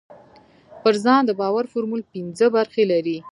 پر ځان د باور فورمول پينځه برخې لري.